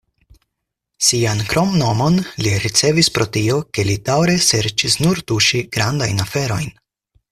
Sian kromnomon li ricevis pro tio, ke li daŭre serĉis nur tuŝi "grandajn aferojn".